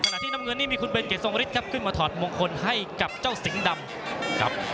ขณะที่น้ำเงินนี้มีคุณเบนเกียร์สงฤษครับขึ้นมาถอดมงคลให้กับเจ้าสิงห์ดำ